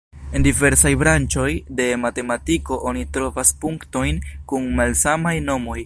En diversaj branĉoj de matematiko oni trovas punktojn kun malsamaj nomoj.